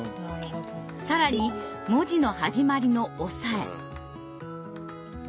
更に文字の始まりの「おさえ」。